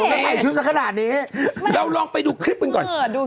ไม่ใส่ชุดกันขนาดนี้เราลองไปดูคลิปกันก่อน